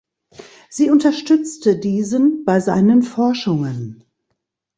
Sie unterstützte diesen bei seinen Forschungen.